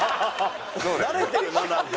慣れてるよなんか。